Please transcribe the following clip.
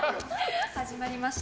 始まりました。